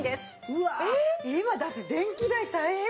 うわ今だって電気代大変なんだよ？